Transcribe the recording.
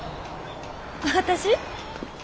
私？